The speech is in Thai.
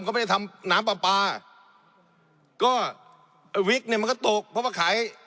ก็ไม่ได้ทำน้ำปลาปลาก็ไอ้วิกเนี่ยมันก็ตกเพราะว่าขาย